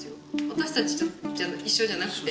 私たちと一緒じゃなくて。